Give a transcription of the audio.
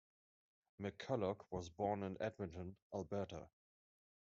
McCulloch was born in Edmonton, Alberta.